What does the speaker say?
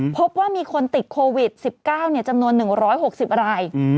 พบว่ามีคนติดโควิด๑๙จำนวน๑๖๐ราย